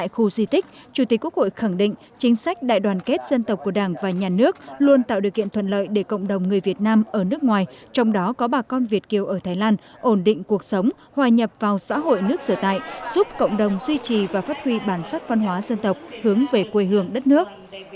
chủ tịch quốc hội khẳng định chính sách đại đoàn kết dân tộc của đảng và nhà nước luôn tạo điều kiện thuận lợi để cộng đồng người việt nam ở nước ngoài trong đó có bà con việt kiều ở thái lan ổn định cuộc sống hòa nhập vào xã hội nước sửa tại giúp cộng đồng duy trì và phát huy bản sắc văn hóa dân tộc hướng về quê hương đất nước